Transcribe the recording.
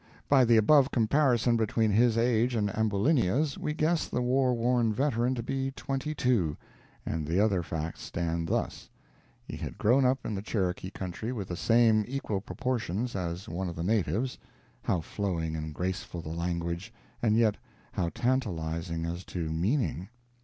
By the above comparison between his age and Ambulinia's, we guess the war worn veteran to be twenty two; and the other facts stand thus: he had grown up in the Cherokee country with the same equal proportions as one of the natives how flowing and graceful the language, and yet how tantalizing as to meaning!